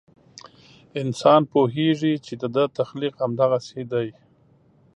انسان پوهېږي چې د ده تخلیق همدغسې دی.